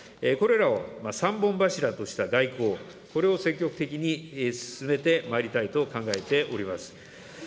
これらを３本柱とした外交、これを積極的に進めてまいりたいと考えております。